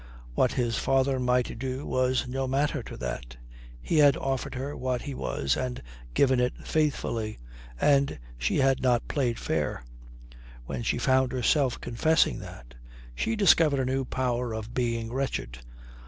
What his father might do was no matter to that. He had offered her what he was and given it faithfully. And she had not played fair. When she found herself confessing that, she discovered a new power of being wretched.